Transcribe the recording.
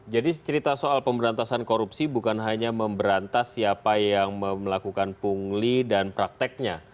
jadi cerita soal pemberantasan korupsi bukan hanya memberantas siapa yang melakukan pungli dan prakteknya